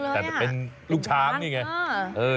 แต่เป็นลูกช้างนี่ไง